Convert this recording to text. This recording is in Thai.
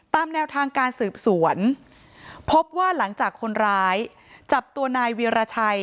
ตามแนวทางการสืบสวนพบว่าหลังจากคนร้ายจับตัวนายวีรชัย